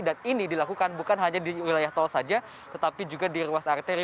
dan ini dilakukan bukan hanya di wilayah tol saja tetapi juga di ruas arteri